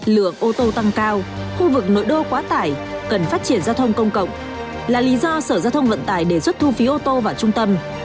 lượng ô tô tăng cao khu vực nội đô quá tải cần phát triển giao thông công cộng là lý do sở giao thông vận tải đề xuất thu phí ô tô vào trung tâm